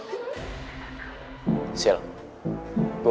kenapa kamu ngerasa ngerepotin aku ya